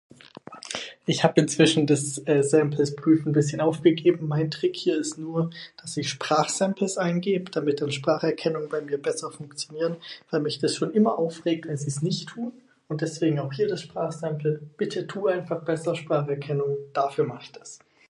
Ich hab inzwischen das eh Samples prüfen bisschen aufgegeben mein Trick hier ist nur, das ich Sprach Samples eingeb damit den Spracherkennung bei mir besser funktionieren, weil mich das schon immer aufregt wenn Sie es nicht tun und deswegen auch hier das Sprachsample bitte tu einfach besser Spracherkennung, dafür mach ich das.